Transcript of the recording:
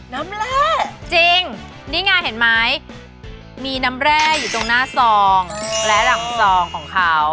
น้ำแร่จริงนี่ไงเห็นไหมมีน้ำแร่อยู่ตรงหน้าซองและหลังซองของเขา